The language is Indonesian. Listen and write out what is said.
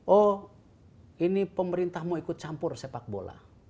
oh ini pemerintah mau ikut campur sepak bola